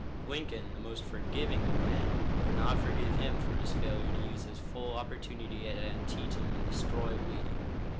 Lincoln, the most forgiving of men, could not forgive him for his failure to use his full opportunity at Antietam and destroy Lee.